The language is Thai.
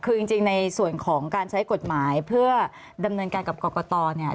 คือจริงในส่วนของการใช้กฎหมายเพื่อดำเนินการกับกรกตเนี่ย